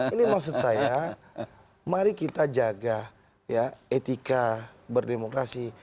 ini maksud saya mari kita jaga ya etika berdemokrasi